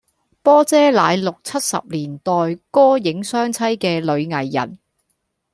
波姐乃六七拾年代歌影雙棲嘅女藝人